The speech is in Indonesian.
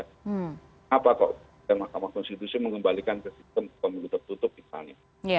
kenapa kok mahkamah konstitusi mengembalikan ke sistem pemilu tertutup misalnya